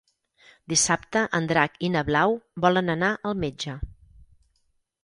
Dissabte en Drac i na Blau volen anar al metge.